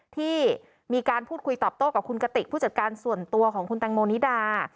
ที่มีการพูดคุยตอบโต้กับคุณกติกผู้จัดการส่วนตัวของคุณแตงโมนิดา